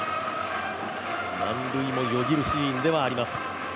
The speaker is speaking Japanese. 満塁もよぎるシーンではあります。